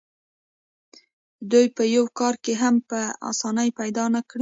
دوی به یو کار هم په اسانۍ پیدا نه کړي